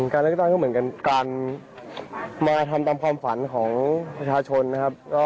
การเลือกตั้งก็เหมือนกันการมาทำตามความฝันของประชาชนนะครับ